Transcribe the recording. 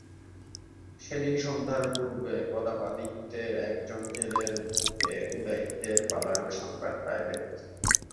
সেইদিনই সন্ধ্যার পূর্বে প্রতাপাদিত্য একজন জেলের মুখে উদয়াদিত্যের পলায়ন- সংবাদ পাইলেন।